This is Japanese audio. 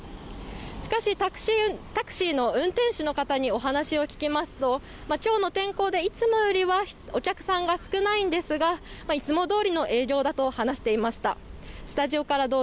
しかし、タクシーの運転手の方にお話を聞きますと、今日の天候で、いつもよりはお客さんが少ないんですが、いつもどおりの営業だと話していました。